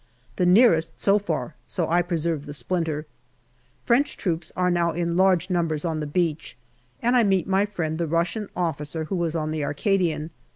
The nearest, so far, so I preserve the splinter. French troops are now in large numbers on the beach, and I meet my friend the Russian officer who was on the Arcadian.